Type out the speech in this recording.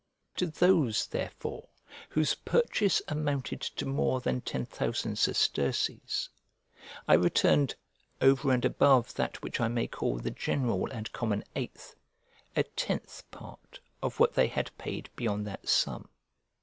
To those, therefore, whose purchase amounted to more than ten thousand sesterces, I returned (over and above that which I may call the general and common eighth) a tenth part of what they had paid beyond that sum.